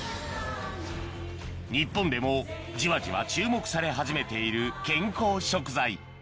日本でもじわじわ注目され始めている健康食材